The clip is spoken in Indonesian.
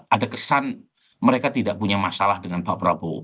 ada kesan mereka tidak punya masalah dengan pak prabowo